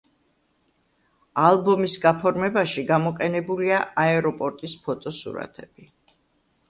ალბომის გაფორმებაში გამოყენებულია აეროპორტის ფოტოსურათები.